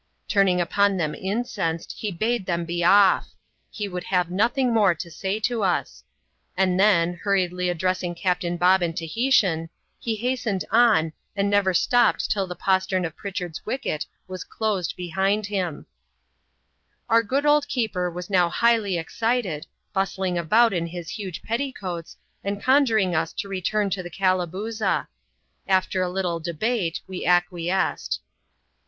Turn ing upon them incensed, he bade them be off — he would have nothing more to say to us ; and then, hurriedly addressing Captain Bob in Tahitian, he hastened on, and never stopped till the postern of Pritchard's wicket was closed behind hincL Our good old keeper was now highly excited, bustling about in his huge petticoats, and conjuring us to return to the Cak booza. After a little debate, we acquiesced.